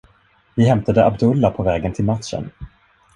Vi hämtade Abdullah på vägen till matchen.